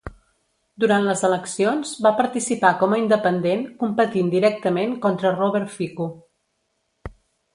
Durant les eleccions, va participar com a independent, competint directament contra Robert Fico.